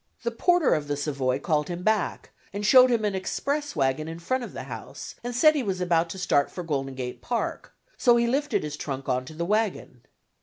The porter of the Savoy called him back, and showed him an express wagon in front of the house, and said he was about to start for Golden Gate Park, so he lifted his trunk on to the wagon.